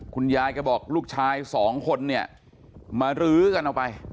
คุณยายก็บอกลูกชายสองคนเนี่ยมารื้อกันเอาไป